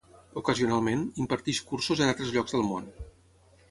Ocasionalment, imparteix cursos en altres llocs del món.